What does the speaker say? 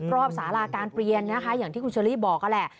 สาราการเปลี่ยนนะคะอย่างที่คุณเชอรี่บอกนั่นแหละ